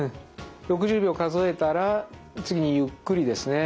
６０秒数えたら次にゆっくりですね